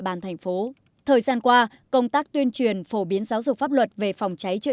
bàn thành phố thời gian qua công tác tuyên truyền phổ biến giáo dục pháp luật về phòng cháy chữa